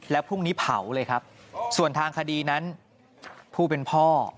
แล้วพรุ่งนี้เผาเลยครับส่วนทางคดีนั้นผู้เป็นพ่อ